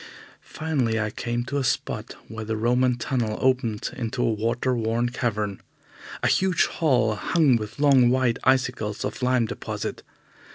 Finally, I came to a spot where the Roman tunnel opened into a water worn cavern a huge hall, hung with long white icicles of lime deposit.